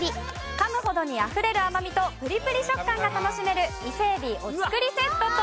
噛むほどにあふれる甘みとプリプリ食感が楽しめる伊勢海老お造りセットと。